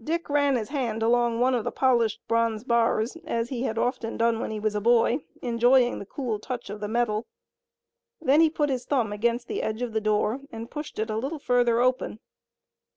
Dick ran his hand along one of the polished bronze bars as he had often done when he was a boy, enjoying the cool touch of the metal. Then he put his thumb against the edge of the door, and pushed it a little further open.